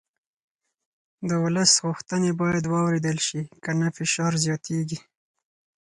د ولس غوښتنې باید واورېدل شي که نه فشار زیاتېږي